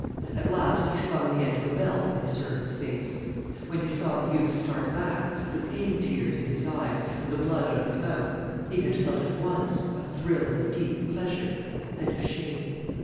At last he slung the end of a belt in his servant's face. When he saw the youth start back, the pain tears in his eyes and the blood on his mouth, he had felt at once a thrill of deep pleasure and of shame.